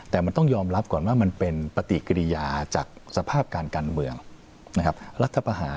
แต่มันต้องรับก่อนว่ามันเป็นปฏิกริยาจากสภาพการกันเมืองนะครับ